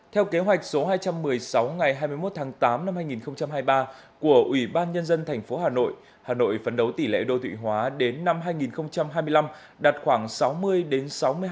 theo kế hoạch số hai trăm một mươi sáu ngày hai mươi một tháng tám năm hai nghìn hai mươi ba của ủy ban nhân dân tp hà nội hà nội phấn đấu tỷ lệ đô thụy hóa đến năm hai nghìn hai mươi năm đạt khoảng sáu mươi đến sáu mươi hai